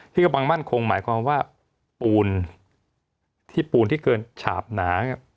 ที่กำบังมั่นคงหมายความว่าปูนที่เกินฉาบหนา